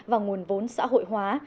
và nguồn vốn xã hội hóa